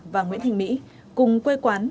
và nguyễn thịnh mỹ cùng quê quán